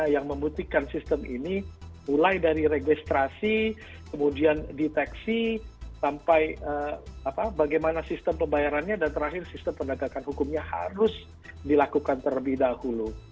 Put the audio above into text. yang membuktikan sistem ini mulai dari registrasi kemudian deteksi sampai bagaimana sistem pembayarannya dan terakhir sistem penegakan hukumnya harus dilakukan terlebih dahulu